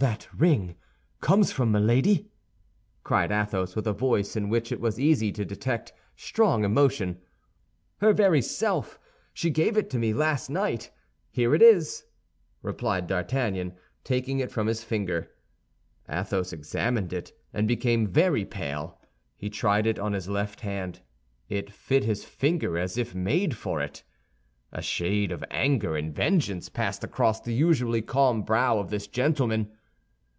"That ring comes from Milady?" cried Athos, with a voice in which it was easy to detect strong emotion. "Her very self; she gave it me last night. Here it is," replied D'Artagnan, taking it from his finger. Athos examined it and became very pale. He tried it on his left hand; it fit his finger as if made for it. A shade of anger and vengeance passed across the usually calm brow of this gentleman.